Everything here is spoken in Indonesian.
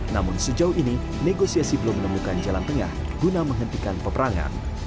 namun sejauh ini negosiasi belum menemukan jalan tengah guna menghentikan peperangan